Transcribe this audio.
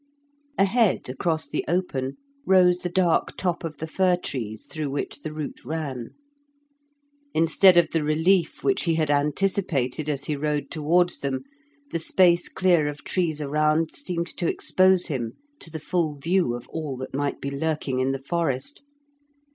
Ahead, across the open, rose the dark top of the fir trees through which the route ran. Instead of the relief which he had anticipated as he rode towards them, the space clear of trees around seemed to expose him to the full view of all that might be lurking in the forest.